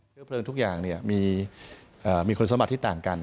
เพลิงทุกอย่างมีคุณสมบัติที่ต่างกัน